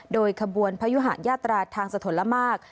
โดยขบวนพยุหายาตราทางสะทนละมาก